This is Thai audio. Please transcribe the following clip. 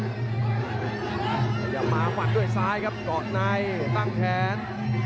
พยายามมาหมัดด้วยซ้ายครับเกาะในตั้งแขน